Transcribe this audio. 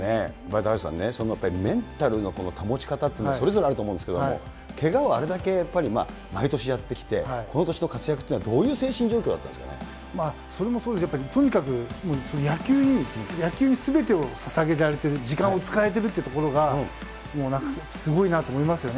高橋さんね、そのやっぱりメンタルの保ち方って、それぞれあると思うんですけれども、けがをあれだけ毎年やってきて、この年の活躍っていうのはどういう精神状況だったんですかね。それもそうですけど、とにかく野球に、野球にすべてをささげられている、時間を使えているというところが、もうなんか、すごいなと思いますよね。